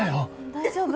大丈夫？